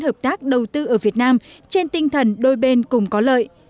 hợp tác đầu tư ở việt nam trên tinh thần đôi bên cùng có lợi